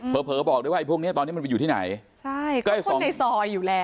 เผลอเผลอบอกได้ว่าไอ้พวกเนี้ยตอนนี้มันไปอยู่ที่ไหนใช่ก็คนในซอยอยู่แล้ว